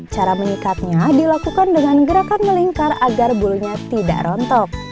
cara mengikatnya dilakukan dengan gerakan melingkar agar bulunya tidak rontok